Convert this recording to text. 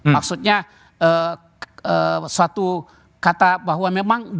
maksudnya suatu kata bahwa memang